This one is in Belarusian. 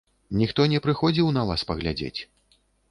Ніхто не прыходзіў на вас паглядзець?